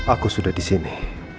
aku sudah disini